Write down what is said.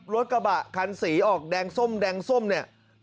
รถกระบะคันสีออกแดงส้มแดงส้มเนี่ย